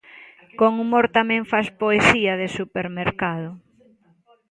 Con humor tamén fas Poesía de supermercado.